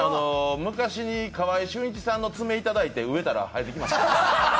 昔に川合俊一さんの爪いただいて植えたら生えてきました。